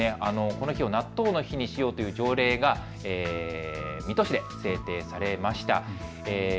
この日を納豆の日にしようという条例が水戸市で制定されました。